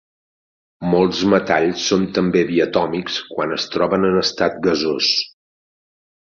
Molts metalls són també diatòmics quan es troben en estat gasós.